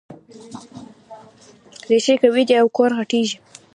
ريښې قوي دي او کور غټېږي.